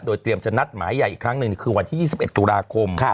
เตรียมจะนัดหมายใหญ่อีกครั้งหนึ่งคือวันที่๒๑ตุลาคม